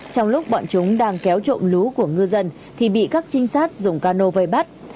trong lúc bọn chúng đang kéo trộm lúa của ngư dân thì bị các trinh sát dùng cano vây bắt